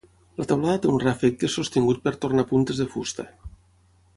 La teulada té un ràfec que és sostingut per tornapuntes de fusta.